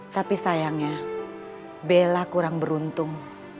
tapi sayangnya bella kurang beruntung